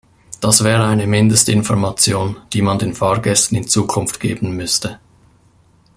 Das wäre eine Mindestinformation, die man den Fahrgästen in Zukunft geben müsste.